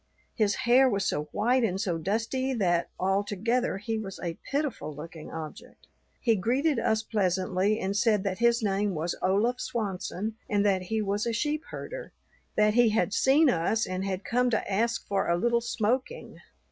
His hair was so white and so dusty that altogether he was a pitiful looking object. He greeted us pleasantly, and said that his name was Olaf Swanson and that he was a sheep herder; that he had seen us and had come to ask for a little smoking.